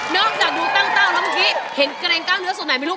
นอกจากดูตั้งเต้อน้ำเมื้อกี้เห็นแกรงก้าวเนื้อสดแหมไม่รู้